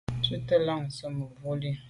Tshù lagntse mebwô li.